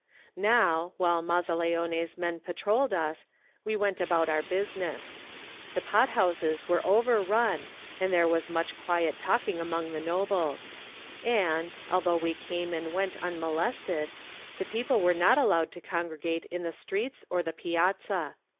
Now, while Mazzaleone's men patrolled us, we went about our business. The pot houses were overrun and there was much quiet talking among the nobles. And, al though we came and went immolested, the people were not allowed to congregate in the streets or the piazza.